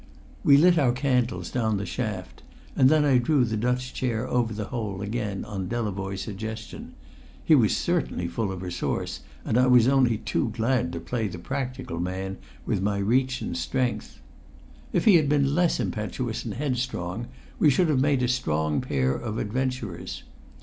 We lit our candles down the shaft, and then I drew the Dutch chair over the hole again on Delavoye's suggestion; he was certainly full of resource, and I was only too glad to play the practical man with my reach and strength. If he had been less impetuous and headstrong, we should have made a strong pair of adventurers.